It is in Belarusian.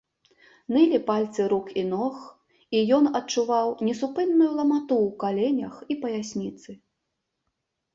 Нылі пальцы рук і ног, і ён адчуваў несупынную ламату ў каленях і паясніцы.